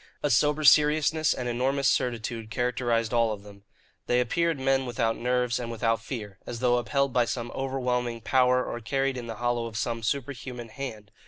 A sober seriousness and enormous certitude characterized all of them. They appeared men without nerves and without fear, as though upheld by some overwhelming power or carried in the hollow of some superhuman hand.